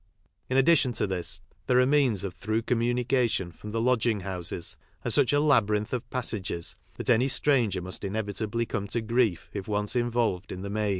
In add on to this, there are means of through com lXrin^° n / r0m the Edging houses, and°such a labyrinth of passages that anv stranger must inevit ably come to grief if once involved in the S .